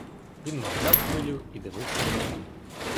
Він мовчав хвилю і дивився на неї.